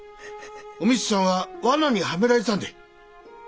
お美津さんは罠にはめられたんでぇ。